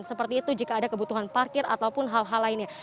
seperti itu jika ada kebutuhan parkir ataupun hal hal lainnya